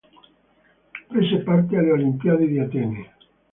Prese parte alle Olimpiadi di Atene.